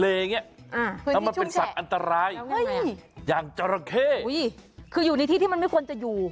แล้วมันเป็นสัตว์อันตรายอย่างจราเข้คืออยู่ในที่ที่มันไม่ควรจะอยู่